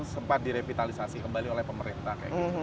sempat direvitalisasi kembali oleh pemerintah kayak gitu